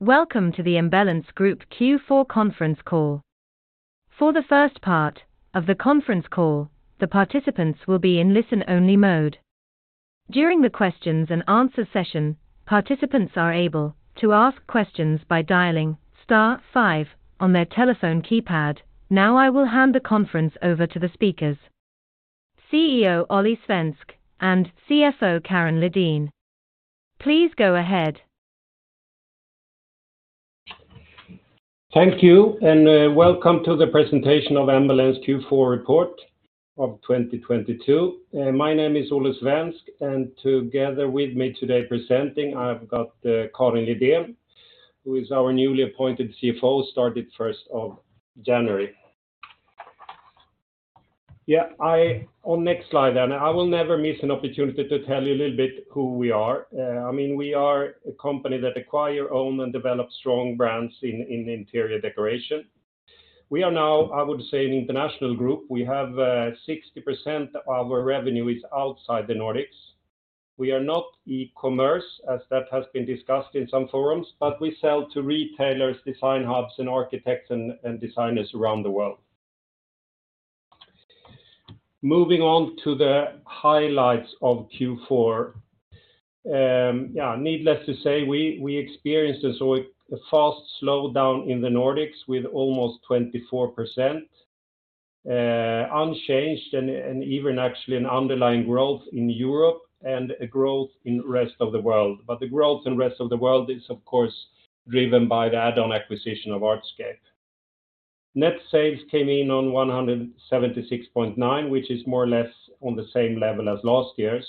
Welcome to the Embellence Group Q4 conference call. For the first part of the conference call, the participants will be in listen-only mode. During the questions and answer session, participants are able to ask questions by dialing star five on their telephone keypad. Now I will hand the conference over to the speakers, CEO Olle Svensk and CFO Karin Lidén. Please go ahead. Thank you, and welcome to the presentation of Embellence Q4 report of 2022. My name is Olle Svensk, and together with me today presenting, I've got Karin Lidén, who is our newly appointed CFO, started first of January. On next slide. I will never miss an opportunity to tell you a little bit who we are. I mean, we are a company that acquire, own, and develop strong brands in interior decoration. We are now, I would say, an international group. We have 60% of our revenue is outside the Nordics. We are not e-commerce, as that has been discussed in some forums, but we sell to retailers, design hubs, and architects and designers around the world. Moving on to the highlights of Q4. Needless to say, we experienced a fast slowdown in the Nordics with almost 24% unchanged and even actually an underlying growth in Europe and a growth in the rest of the world. The growth in rest of the world is, of course, driven by the add-on acquisition of Artscape. Net sales came in on 176.9 million, which is more or less on the same level as last year.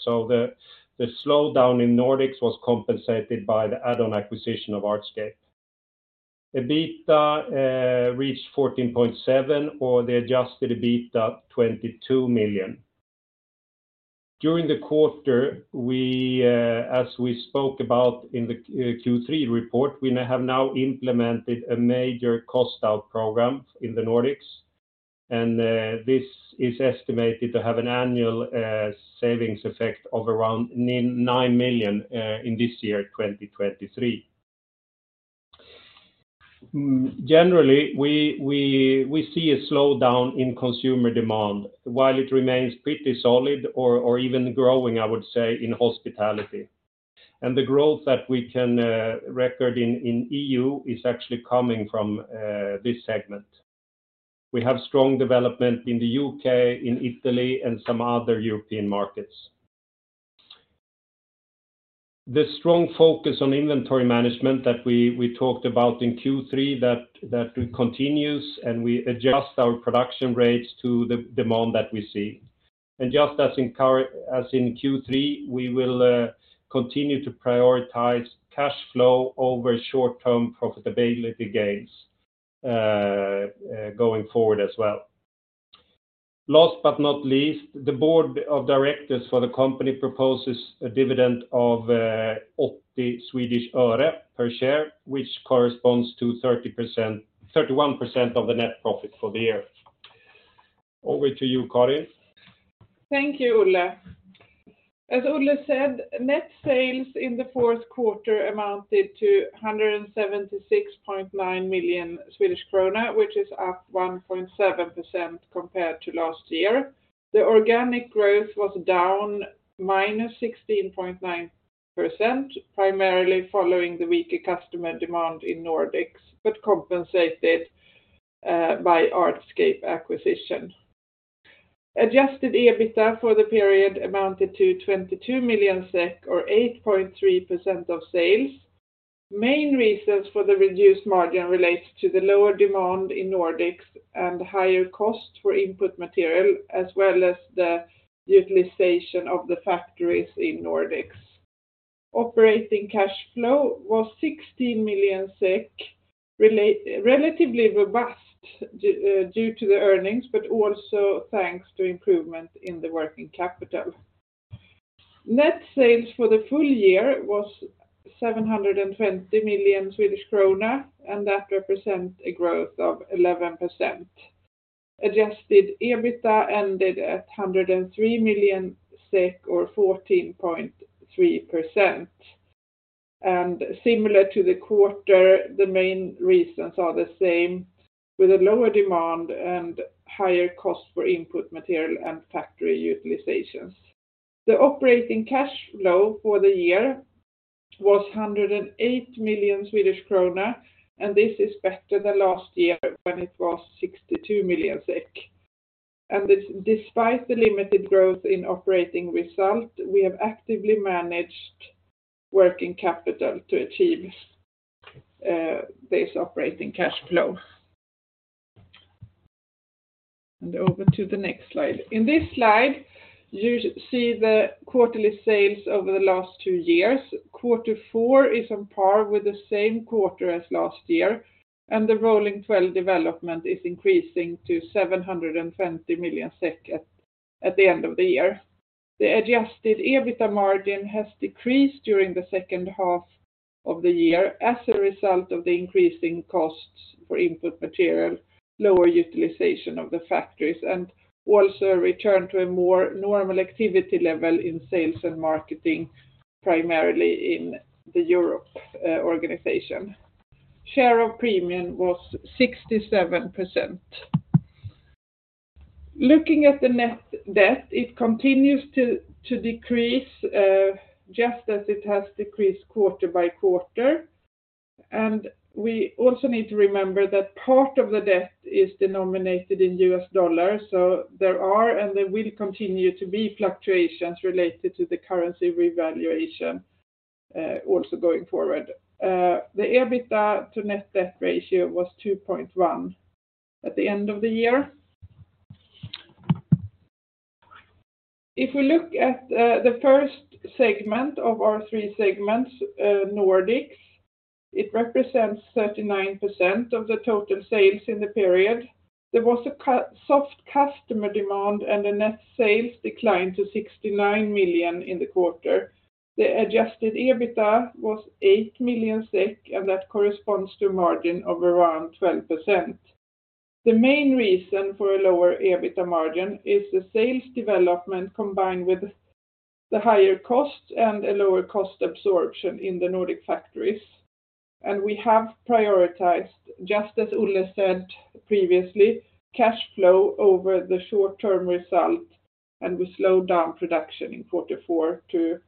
The slowdown in Nordics was compensated by the add-on acquisition of Artscape. EBITDA reached 14.7 million or the adjusted EBITDA, 22 million. During the quarter, we, as we spoke about in the Q3 report, we have now implemented a major cost out program in the Nordics. This is estimated to have an annual savings effect of around 9 million in this year, 2023. Generally, we see a slowdown in consumer demand while it remains pretty solid or even growing, I would say, in hospitality. The growth that we can record in EU is actually coming from this segment. We have strong development in the U.K., in Italy, and some other European markets. The strong focus on inventory management that we talked about in Q3 that continues, and we adjust our production rates to the demand that we see. Just as in Q3, we will continue to prioritize cash flow over short-term profitability gains going forward as well. Last but not least, the board of directors for the company proposes a dividend of 80 Swedish öre per share, which corresponds to 31% of the net profit for the year. Over to you, Karin. Thank you, Olle. As Olle said, net sales in the fourth quarter amounted to 176.9 million Swedish krona, which is up 1.7% compared to last year. The organic growth was down -16.9%, primarily following the weaker customer demand in Nordics, but compensated by Artscape acquisition. Adjusted EBITDA for the period amounted to 22 million SEK, or 8.3% of sales. Main reasons for the reduced margin relates to the lower demand in Nordics and higher cost for input material, as well as the utilization of the factories in Nordics. Operating cash flow was 16 million SEK, relatively robust due to the earnings, but also thanks to improvement in the working capital. Net sales for the full-year was 720 million Swedish krona, and that represents a growth of 11%. Adjusted EBITDA ended at 103 million SEK or 14.3%. Similar to the quarter, the main reasons are the same with a lower demand and higher cost for input material and factory utilizations. The operating cash flow for the year was 108 million Swedish krona, and this is better than last year when it was 62 million SEK. Despite the limited growth in operating result, we have actively managed working capital to achieve this operating cash flow. Over to the next slide. In this slide, you see the quarterly sales over the last two years. Quarter four is on par with the same quarter as last year, and the rolling 12 development is increasing to 720 million SEK at the end of the year. The adjusted EBITDA margin has decreased during the second half of the year as a result of the increasing cost for input material, lower utilization of the factories, also a return to a more normal activity level in sales and marketing, primarily in the Europe organization. Share of premium was 67%. Looking at the net debt, it continues to decrease, just as it has decreased quarter by quarter. We also need to remember that part of the debt is denominated in US dollars, so there are and there will continue to be fluctuations related to the currency revaluation also going forward. The EBITDA to net debt ratio was 2.1 at the end of the year. If we look at the first segment of our three segments, Nordics, it represents 39% of the total sales in the period. There was soft customer demand, and the net sales declined to 69 million in the quarter. The adjusted EBITDA was 8 million SEK, and that corresponds to a margin of around 12%. The main reason for a lower EBITDA margin is the sales development combined with the higher costs and a lower cost absorption in the Nordic factories. We have prioritized, just as Olle said previously, cash flow over the short-term result, and we slowed down production in quarter four to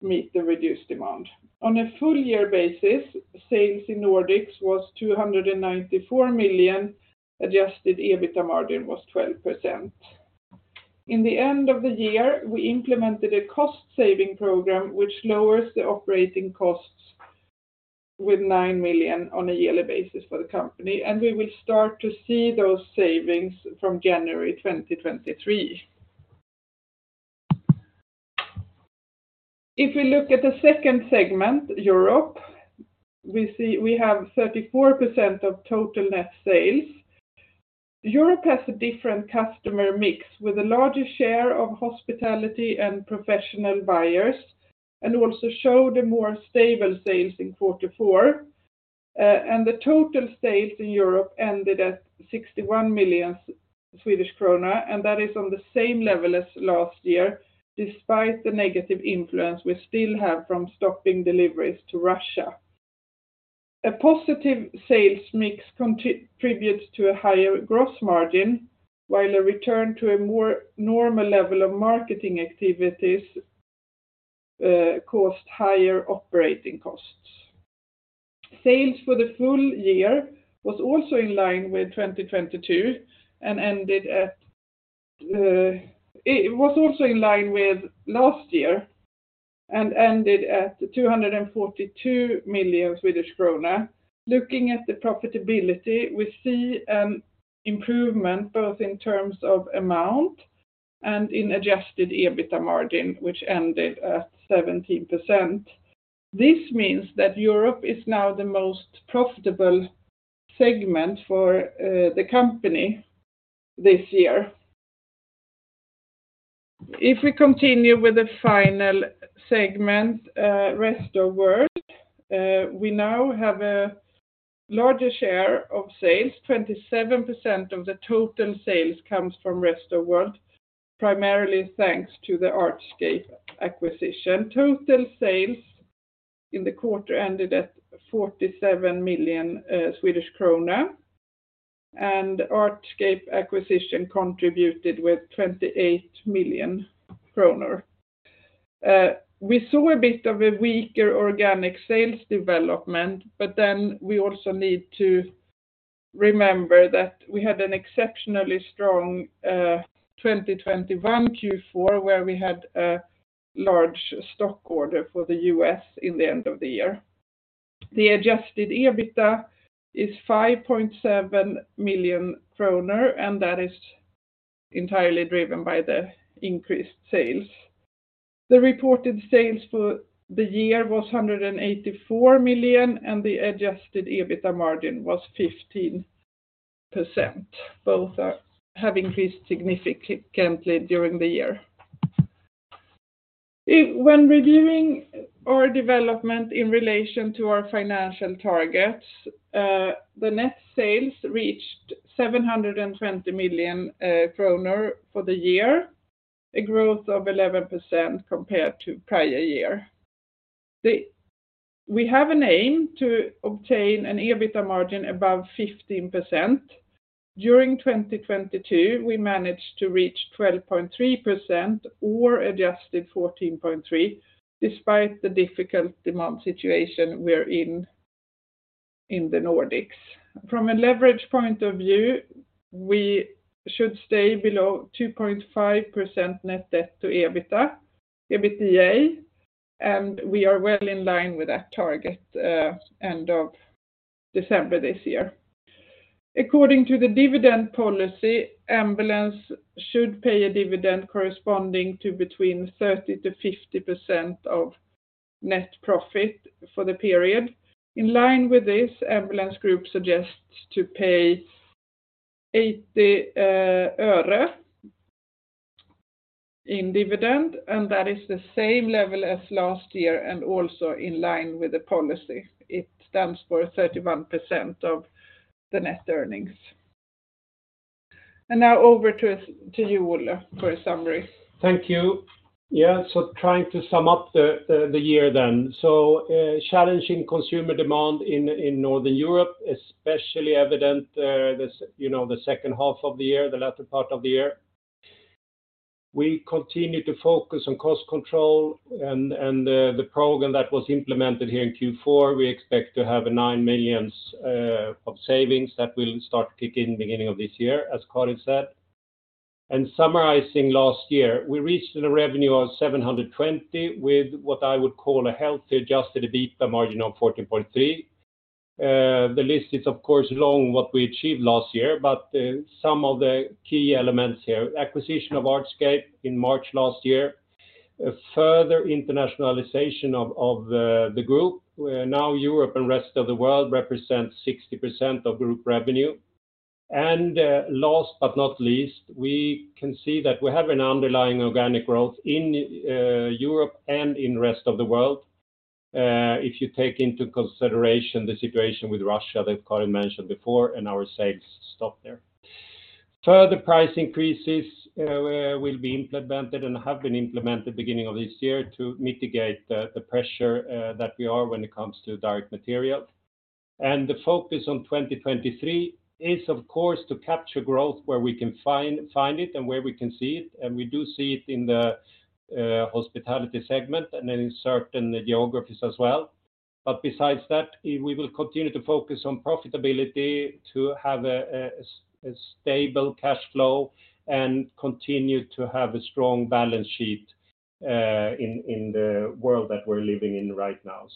meet the reduced demand. On a full-year basis, sales in Nordics was 294 million, adjusted EBITDA margin was 12%. In the end of the year, we implemented a cost-saving program which lowers the operating costs with 9 million on a yearly basis for the company, and we will start to see those savings from January 2023. If we look at the second segment, Europe, we see we have 34% of total net sales. Europe has a different customer mix with a larger share of hospitality and professional buyers, also showed a more stable sales in quarter four. The total sales in Europe ended at 61 million Swedish krona, and that is on the same level as last year, despite the negative influence we still have from stopping deliveries to Russia. A positive sales mix contributes to a higher gross margin, while a return to a more normal level of marketing activities, cost higher operating costs. Sales for the full-year was also in line with 2022. It was also in line with last year and ended at 242 million Swedish krona. Looking at the profitability, we see an improvement both in terms of amount and in adjusted EBITDA margin, which ended at 17%. This means that Europe is now the most profitable segment for the company this year. If we continue with the final segment, Rest of World, we now have a larger share of sales. 27% of the total sales comes from Rest of World, primarily thanks to the Artscape acquisition. Total sales in the quarter ended at 47 million Swedish krona, and Artscape acquisition contributed with 28 million kronor. We saw a bit of a weaker organic sales development, we also need to remember that we had an exceptionally strong 2021 Q4 where we had a large stock order for the US in the end of the year. The adjusted EBITDA is 5.7 million kronor, and that is entirely driven by the increased sales. The reported sales for the year was 184 million, and the adjusted EBITDA margin was 15%. Both have increased significantly during the year. When reviewing our development in relation to our financial targets, the net sales reached 720 million kronor for the year, a growth of 11% compared to prior year. We have an aim to obtain an EBITDA margin above 15%. During 2022, we managed to reach 12.3% or adjusted 14.3%, despite the difficult demand situation we're in in the Nordics. From a leverage point of view, we should stay below 2.5% net debt to EBITDA, and we are well in line with that target end of December this year. According to the dividend policy, Embellence should pay a dividend corresponding to between 30%-50% of net profit for the period. In line with this, Embellence Group suggests to pay 80 Swedish öre in dividend, and that is the same level as last year and also in line with the policy. It stands for 31% of the net earnings. Now over to you, Olle, for a summary. Thank you. Yeah. Trying to sum up the year then. Challenging consumer demand in Northern Europe, especially evident there you know, the second half of the year, the latter part of the year. We continue to focus on cost control and the program that was implemented here in Q4, we expect to have 9 million of savings that will start to kick in beginning of this year, as Karin said. Summarizing last year, we reached a revenue of 720 million with what I would call a healthy adjusted EBITDA margin of 14.3%. The list is of course long what we achieved last year, but some of the key elements here. Acquisition of Artscape in March last year. A further internationalization of the Group, where now Europe and Rest of the World represents 60% of Group revenue. Last but not least, we can see that we have an underlying organic growth in Europe and in Rest of the World. If you take into consideration the situation with Russia that Karin mentioned before, and our sales stop there. Further price increases will be implemented and have been implemented beginning of this year to mitigate the pressure that we are when it comes to direct material. The focus on 2023 is of course to capture growth where we can find it and where we can see it, and we do see it in the hospitality segment and in certain geographies as well. Besides that, we will continue to focus on profitability to have a stable cash flow and continue to have a strong balance sheet in the world that we're living in right now.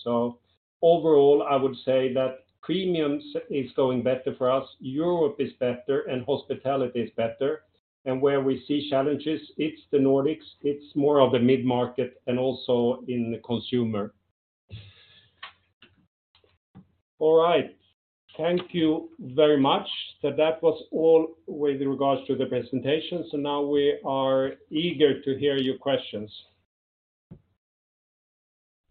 Overall, I would say that premiums is going better for us, Europe is better, and hospitality is better. Where we see challenges, it's the Nordics, it's more of a mid-market and also in the consumer. All right. Thank you very much. That was all with regards to the presentation. Now we are eager to hear your questions.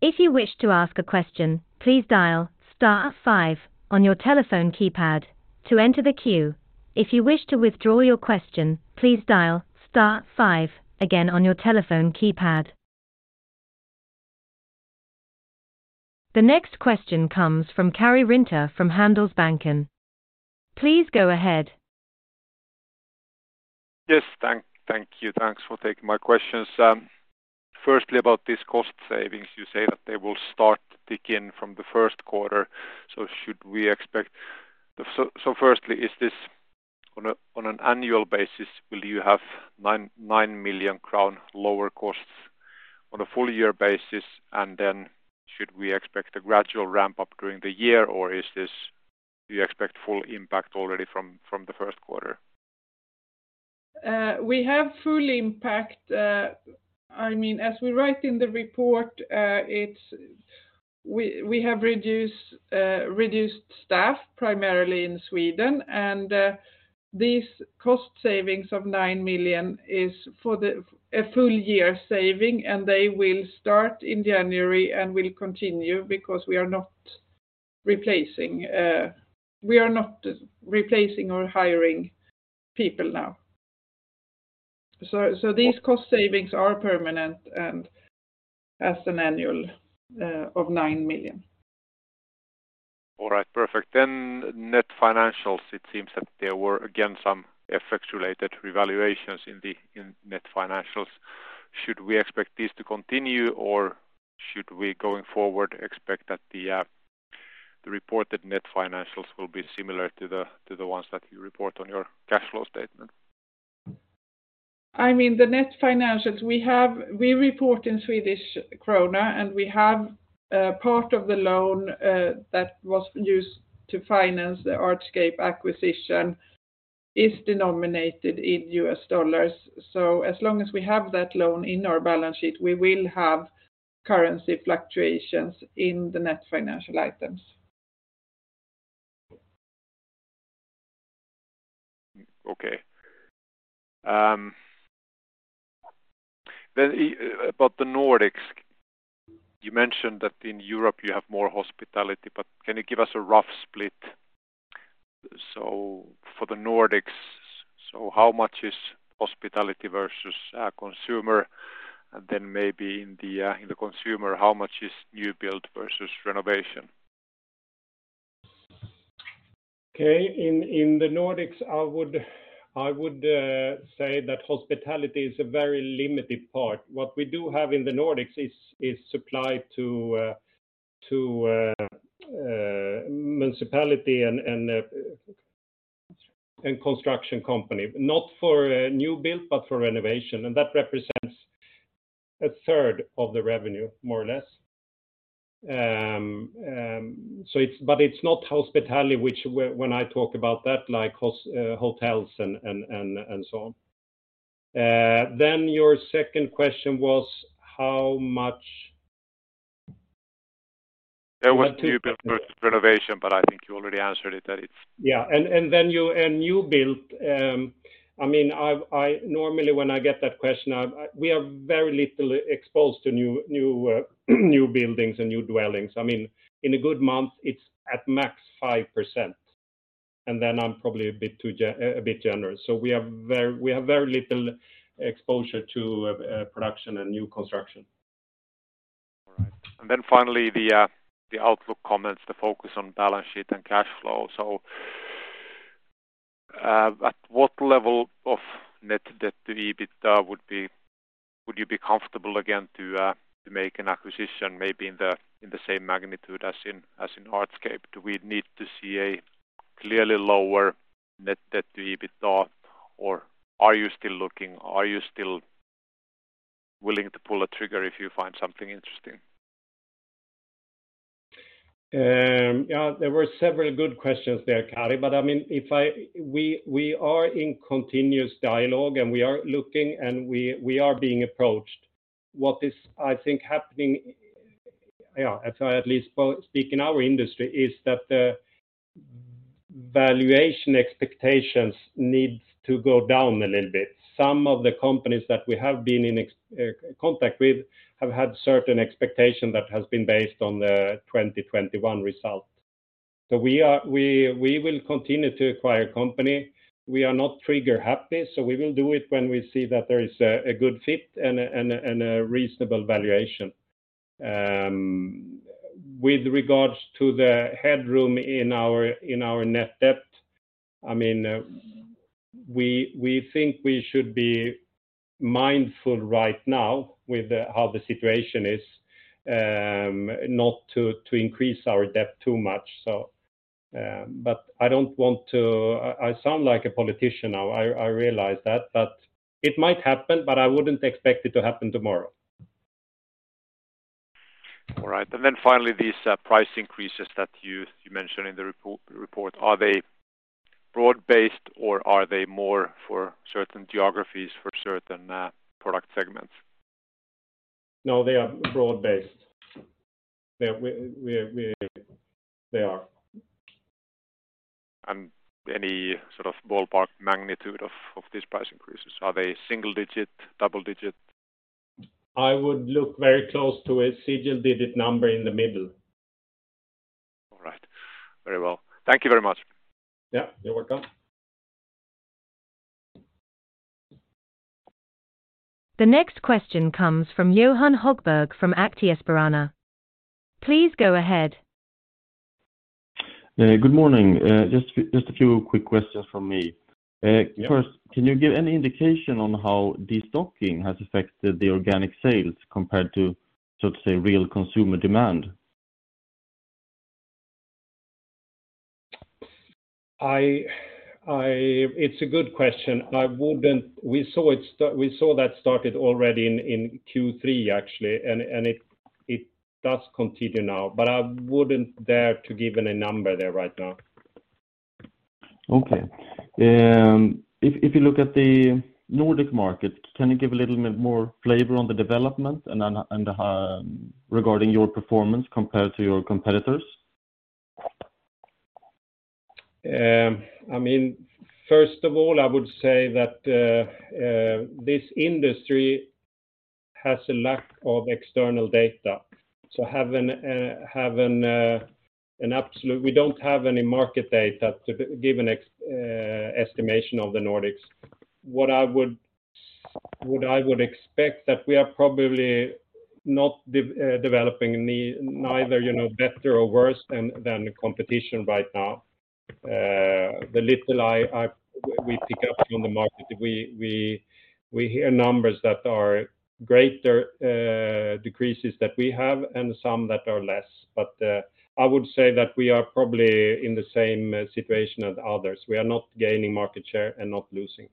If you wish to ask a question, please dial star five on your telephone keypad to enter the queue. If you wish to withdraw your question, please dial star five again on your telephone keypad. The next question comes from Kari Rinta from Handelsbanken. Please go ahead. Yes. Thank you. Thanks for taking my questions. Firstly, about these cost savings, you say that they will start to kick in from the first quarter. Firstly, is this on an annual basis, will you have 9 million crown lower costs on a full-year basis? Should we expect a gradual ramp-up during the year, or is this you expect full impact already from the first quarter? We have full impact. I mean, as we write in the report, we have reduced staff primarily in Sweden, and these cost savings of 9 million is for a full-year saving, and they will start in January and will continue because we are not replacing. We are not replacing or hiring people now. These cost savings are permanent and as an annual of 9 million. All right. Perfect. Net financials, it seems that there were again some FX related revaluations in the, in net financials. Should we expect this to continue, or should we, going forward, expect that the reported net financials will be similar to the, to the ones that you report on your cash flow statement? I mean, the net financials we report in Swedish krona, and we have part of the loan that was used to finance the Artscape acquisition is denominated in US dollars. As long as we have that loan in our balance sheet, we will have currency fluctuations in the net financial items. Okay. Then about the Nordics, you mentioned that in Europe you have more hospitality, but can you give us a rough split? For the Nordics, how much is hospitality versus consumer? Then maybe in the consumer, how much is new build versus renovation? Okay. In the Nordics, I would say that hospitality is a very limited part. What we do have in the Nordics is supply to municipality and construction company. Not for a new build, but for renovation, that represents a third of the revenue, more or less. It's not hospitality, which when I talk about that, like hotels and so on. Your second question was how much There was new build versus renovation. I think you already answered it. Yeah. A new build, I mean, I normally when I get that question, we are very little exposed to new buildings and new dwellings. I mean, in a good month, it's at max 5%, and then I'm probably a bit too generous. We have very little exposure to production and new construction. All right. Finally, the outlook comments, the focus on balance sheet and cash flow. At what level of net debt to EBITDA would you be comfortable again to make an acquisition maybe in the same magnitude as in Artscape? Do we need to see a clearly lower net debt to EBITDA, or are you still looking? Are you still willing to pull a trigger if you find something interesting? Yeah, there were several good questions there, Kari. I mean, we are in continuous dialogue, and we are looking, and we are being approached. What is, I think, happening, yeah, as I at least speak in our industry, is that the valuation expectations need to go down a little bit. Some of the companies that we have been in contact with have had certain expectation that has been based on the 2021 result. We will continue to acquire company. We are not trigger-happy, we will do it when we see that there is a good fit and a reasonable valuation. With regards to the headroom in our net debt, I mean, we think we should be mindful right now with how the situation is, not to increase our debt too much. I don't want to. I sound like a politician now. I realize that, but it might happen, but I wouldn't expect it to happen tomorrow. All right. Then finally, these price increases that you mentioned in the repo-report, are they broad-based, or are they more for certain geographies, for certain product segments? No, they are broad-based. We're, They are. Any sort of ballpark magnitude of these price increases? Are they single digit, double digit? I would look very close to a single-digit number in the middle. All right. Very well. Thank you very much. Yeah, you're welcome. The next question comes from Johan Högberg from Aktiespararna. Please go ahead. Good morning. Just a few quick questions from me. Yeah. First, can you give any indication on how destocking has affected the organic sales compared to, so to say, real consumer demand? It's a good question. We saw that started already in Q3, actually. It does continue now, but I wouldn't dare to give any number there right now. If you look at the Nordic market, can you give a little bit more flavor on the development and regarding your performance compared to your competitors? I mean, first of all, I would say that this industry has a lack of external data. We don't have any market data to give an estimation of the Nordics. What I would expect that we are probably not developing neither, you know, better or worse than the competition right now. The little we pick up from the market, we hear numbers that are greater, decreases that we have and some that are less. I would say that we are probably in the same situation as others. We are not gaining market share and not losing.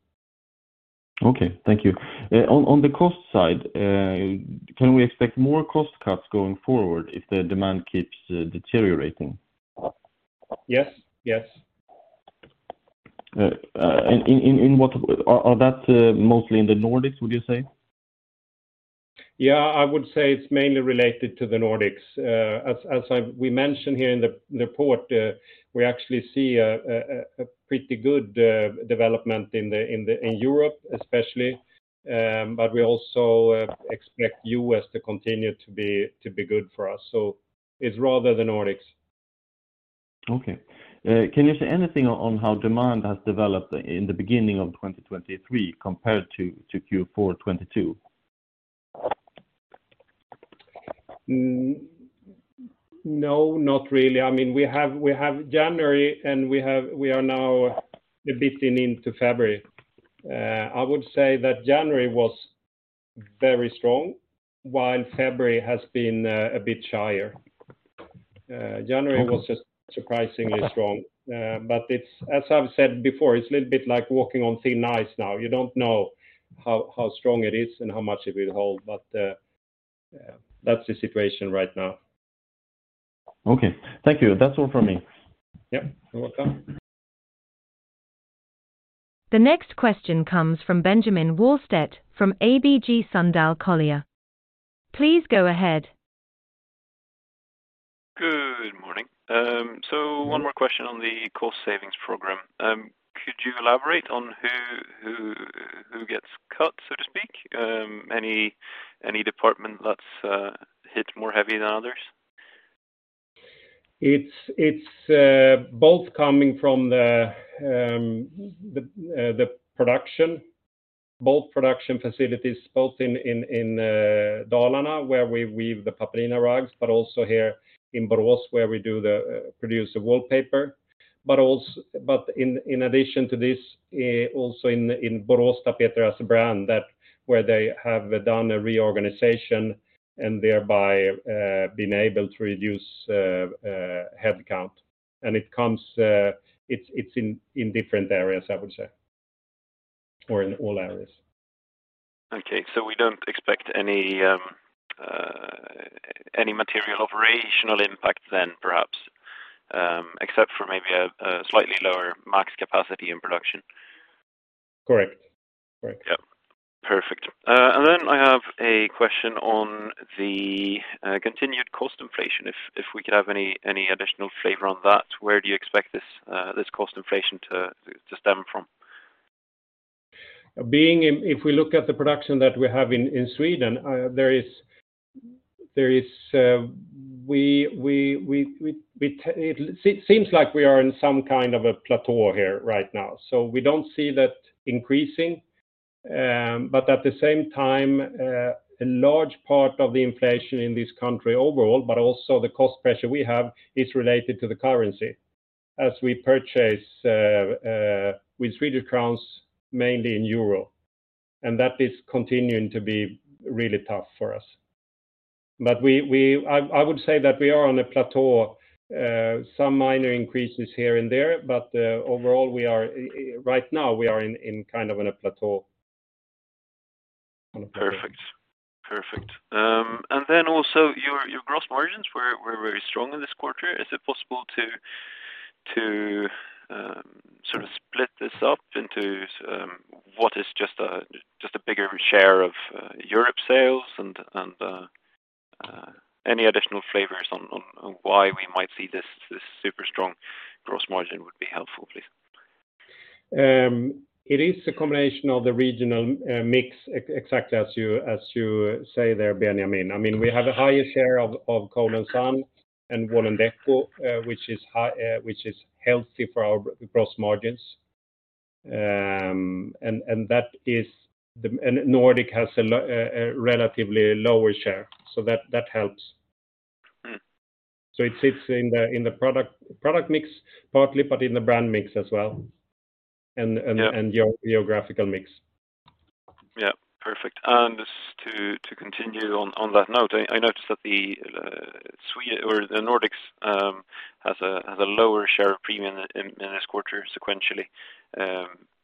Okay. Thank you. On the cost side, can we expect more cost cuts going forward if the demand keeps deteriorating? Yes. Yes. In what Are that mostly in the Nordics, would you say? Yeah. I would say it's mainly related to the Nordics. As we mentioned here in the report, we actually see a pretty good development in Europe, especially. We also expect US to continue to be good for us. It's rather the Nordics. Okay. Can you say anything on how demand has developed in the beginning of 2023 compared to Q4 2022? No, not really. I mean, we have January, we are now a bit into February. I would say that January was very strong, while February has been a bit higher. January was just surprisingly strong. It's, as I've said before, it's a little bit like walking on thin ice now. You don't know how strong it is and how much it will hold. Yeah, that's the situation right now. Okay. Thank you. That's all from me. Yeah. You're welcome. The next question comes from Benjamin Wahlstedt from ABG Sundal Collier. Please go ahead. Good morning. One more question on the cost savings program. Could you elaborate on who gets cut, so to speak? Any department that's hit more heavy than others? It's both coming from the production. Both production facilities, both in Dalarna, where we weave the Pappelina rugs, but also here in Borås, where we produce the wallpaper. But in addition to this, also in Boråstapeter as a brand that where they have done a reorganization and thereby been able to reduce headcount. It comes, it's in different areas, I would say, or in all areas. We don't expect any material operational impact then perhaps, except for maybe a slightly lower max capacity in production. Correct. Correct. Yeah. Perfect. Then I have a question on the continued cost inflation. If we could have any additional flavor on that, where do you expect this cost inflation to stem from? If we look at the production that we have in Sweden, it seems like we are in some kind of a plateau here right now. We don't see that increasing. At the same time, a large part of the inflation in this country overall, but also the cost pressure we have is related to the currency as we purchase with Swedish crowns mainly in euro, and that is continuing to be really tough for us. I would say that we are on a plateau, some minor increases here and there, overall, we are right now in kind of in a plateau. Perfect. Perfect. Also your gross margins were very strong in this quarter. Is it possible to sort of split this up into what is just a bigger share of Europe sales and any additional flavors on why we might see this super strong gross margin would be helpful, please. It is a combination of the regional mix exactly as you say there, Benjamin. I mean, we have a higher share of Cole & Son and Wall&decò, which is healthy for our gross margins. Nordic has a relatively lower share, so that helps. Mm-hmm. It sits in the product mix partly, but in the brand mix as well, and geographical mix. Yeah. Perfect. Just to continue on that note, I noticed that the Nordics has a lower share of premium in this quarter sequentially.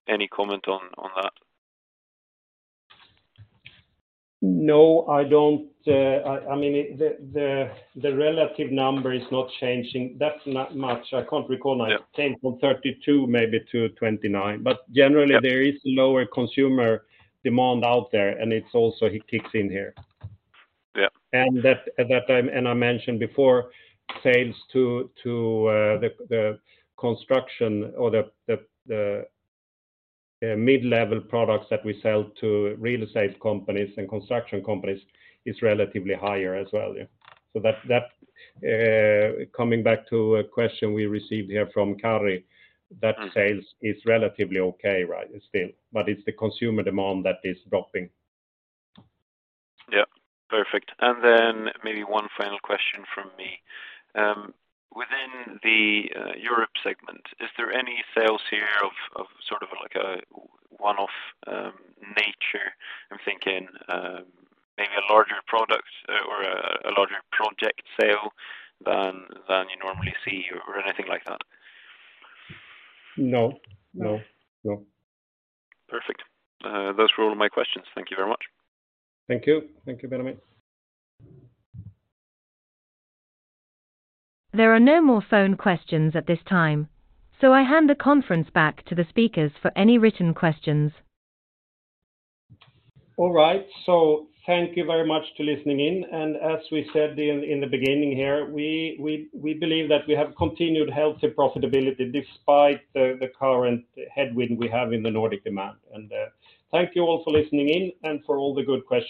Any comment on that? No, I don't. I mean, it. The relative number is not changing. That's not much. I can't recall now. Yeah. It changed from 32 maybe to 29. generally Yeah there is lower consumer demand out there, and it also kicks in here. Yeah. That, at that time, and I mentioned before, sales to the construction or the mid-level products that we sell to real estate companies and construction companies is relatively higher as well. Coming back to a question we received here from Kari, that sales is relatively okay, still, but it's the consumer demand that is dropping. Yeah. Perfect. Then maybe one final question from me. Within the Europe segment, is there any sales here of sort of like a one-off nature? I'm thinking, maybe a larger product or a larger project sale than you normally see or anything like that? No. No. No. Perfect. Those were all my questions. Thank you very much. Thank you. Thank you, Benjamin Wahlstedt. There are no more phone questions at this time, so I hand the conference back to the speakers for any written questions. All right. Thank you very much to listening in. As we said in the beginning here, we believe that we have continued healthy profitability despite the current headwind we have in the Nordic demand. Thank you all for listening in and for all the good questions.